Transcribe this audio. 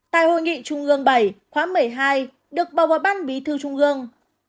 tại hội nghị trung ương bảy khóa một mươi hai được bầu vào ban bí thư trung ương